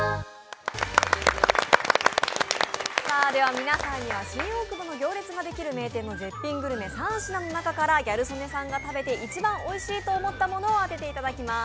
皆さんには新大久保の行列ができる名店の絶品料理、３品の中からギャル曽根さんが食べて一番おいしいと思ったものを当てていただきます。